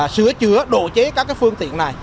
sửa chữa đồ chế các phương tiện này